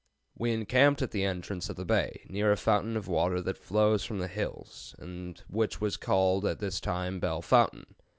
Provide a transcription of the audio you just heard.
We encamped at the entrance of the bay, near a fountain of water that flows from the hills, and which was called at this time Belle Fountain.